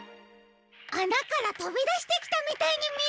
あなからとびだしてきたみたいにみえます！